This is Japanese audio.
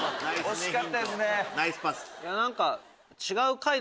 惜しかったですね。